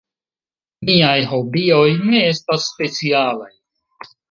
Miaj hobioj ne estas specialaj.